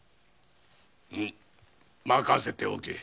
任せておけ。